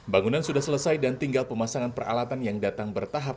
bangunan sudah selesai dan tinggal pemasangan peralatan yang datang bertahap